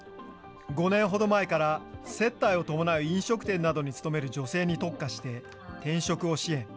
５年ほど前から接待を伴う飲食店などに勤める女性に特化して、転職を支援。